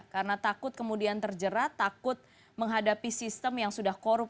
karena takut kemudian terjerat takut menghadapi sistem yang sudah korup